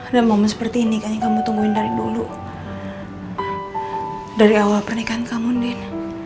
dan momen seperti ini kayaknya kamu tungguin dari dulu dari awal pernikahan kamu din